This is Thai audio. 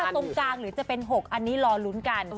ตรงกลางหรือจะเป็น๖อันนี้รอลุ้นกัน